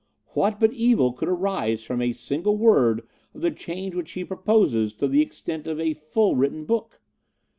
What but evil could arise from a single word of the change which he proposes to the extent of a full written book?